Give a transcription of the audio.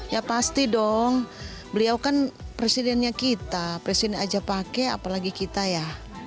ya pasti dong beliau kan presidennya kita presiden aja pakai apalagi kita ya